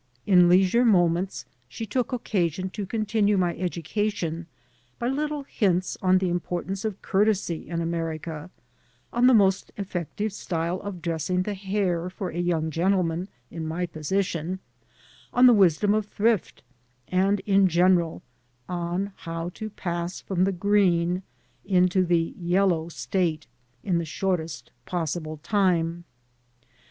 In leisure moments she took occasion to continue my education by little hints on the importance of courtesy in America, on the most effective style of dressing the hair for a young gentleman in my position, on the wisdom of thrift, and, in general, on how to pass from the green into the yellow state in the shortest possible time.